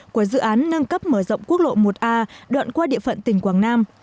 của dự án nâng cấp mở rộng quốc lộ một a đoạn qua địa phận tỉnh quảng nam